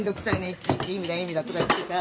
いちいち意味だ意味だとか言ってさ。